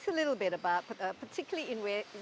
sekarang beritahukan kami sedikit tentang